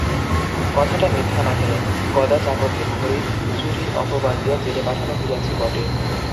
কথাটা মিথ্যা নহে–গদা চাকরকে ঘড়িচুরির অপবাদ দিয়া জেলে পাঠানো হইয়াছে বটে।